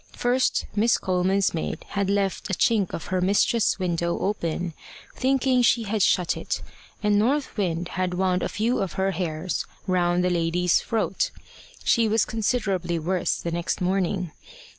First, Miss Coleman's maid had left a chink of her mistress's window open, thinking she had shut it, and North Wind had wound a few of her hairs round the lady's throat. She was considerably worse the next morning.